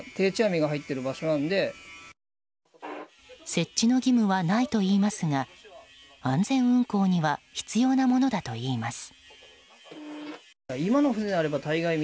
設置の義務はないといいますが安全運航には必要なものだといいます。